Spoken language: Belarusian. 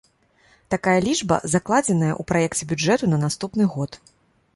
Такая лічба закладзеная ў праекце бюджэту на наступны год.